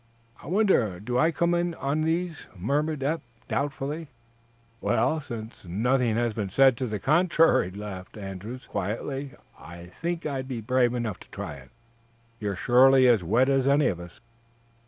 "I wonder do I come in on these?" murmured Eph, doubtfully. "Well, since nothing has been said to the contrary," laughed Andrews, quietly, "I think I'd be brave enough to try it. You're surely as wet as any of us."